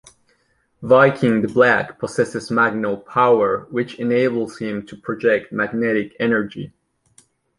Vykin the Black possesses "magno-power", which enables him to project magnetic energy.